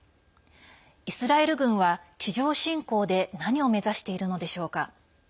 イスラエル軍は、地上侵攻で何を目指しているのでしょうか。